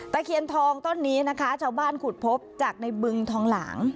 ตะเคียนทองต้นนี้นะคะชาวบ้านขุดพบจากในบึงทองหลาง